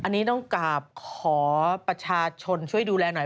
อันนี้ต้องกราบขอประชาชนช่วยดูแลหน่อย